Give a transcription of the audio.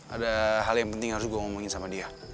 ada hal yang penting harus gue ngomongin sama dia